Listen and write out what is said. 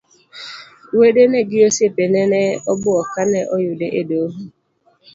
Wedene gi osiepene ne obuok kane oyude e doho.